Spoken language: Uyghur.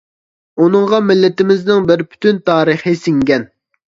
ئۇنىڭغا مىللىتىمىزنىڭ بىر پۈتۈن تارىخى سىڭگەن.